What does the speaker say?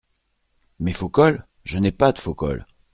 Mes faux cols ?… je n’ai pas de faux cols !